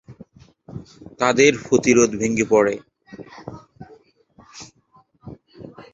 তাঁদের প্রতিরোধ ভেঙে পড়ে।